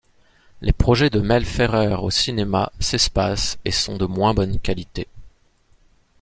Les projets de Mel Ferrer au cinéma s'espacent et sont de moins bonne qualité.